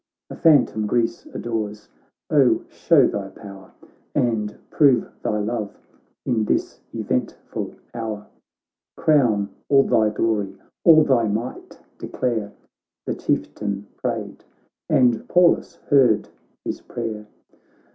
A phantom Greece adores; oh, show thy power. And prove thy love in this eventful hour ! Crown all thy glory, all thy might declare!' The Chieftain prayed, and Pallas heard his prayer.